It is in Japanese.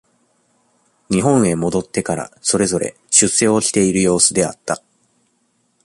日本へ戻ってから、それぞれ、出世をしている様子であった。